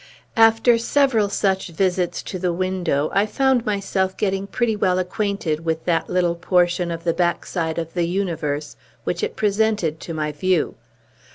After several such visits to the window, I found myself getting pretty well acquainted with that little portion of the backside of the universe which it presented to my view.